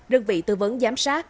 đơn vị tư vấn giám sát